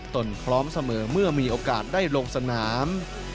ตนพร้อมเสมอเมื่อมีโอกาสได้ลงสนาม